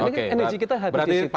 ini energi kita habis di situ